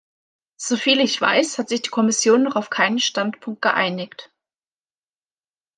Soviel ich weiß, hat sich die Kommission noch auf keinen Standpunkt geeinigt.